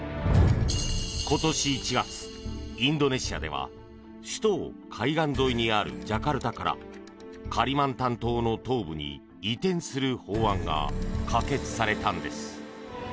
今年１月、インドネシアでは首都を海岸沿いにあるジャカルタからカリマンタン島の東部に移転する法案が可決されたんです。